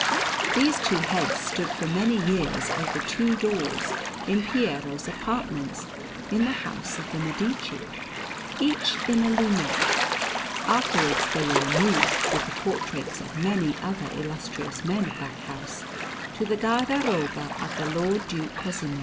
These two heads stood for many years over two doors in Piero's apartment in the house of the Medici, each in a lunette; afterwards they were removed, with the portraits of many other illustrious men of that house, to the guardaroba of the Lord Duke Cosimo.